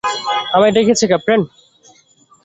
আমায় ডেকেছো, ক্যাপ্টেন?